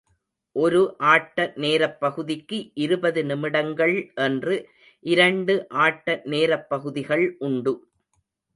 ஒரு ஆட்ட நேரப்பகுதிக்கு இருபது நிமிடங்கள் என்று இரண்டு ஆட்ட நேரப்பகுதிகள் உண்டு.